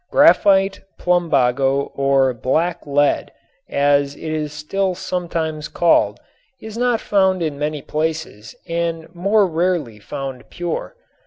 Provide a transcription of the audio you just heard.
Graphite, plumbago or "blacklead," as it is still sometimes called, is not found in many places and more rarely found pure.